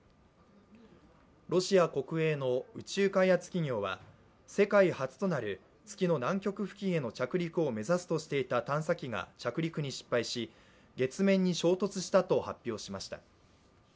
ロシア国営の宇宙開発企業は世界初となる月の南極付近への着陸を目指すとしていた探査機が着陸に失敗し、月面に衝突したと発表しました。